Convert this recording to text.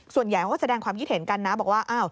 ส่วนใหญ่เขาก็แสดงความคิดเห็นกันนะบอกว่า